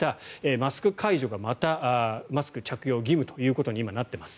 マスク解除がまたマスク着用義務と今、なってます。